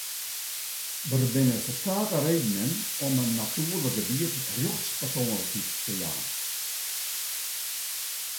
Der binne ferskate redenen om in natuerlik gebiet rjochtspersoanlikheid te jaan.